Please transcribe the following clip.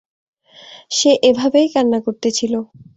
সে এভাবেই কান্না করতে ছিল।